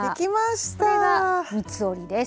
これが三つ折りです。